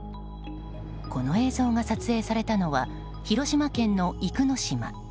この映像が撮影されたのは広島県の生野島。